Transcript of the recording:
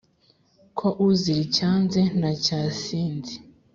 Ko uzira icyanze na cya sinzi